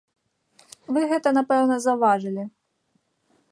Вы гэта, напэўна, заўважылі.